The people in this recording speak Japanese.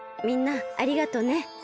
みんなありがとね。